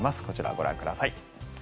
こちら、ご覧ください。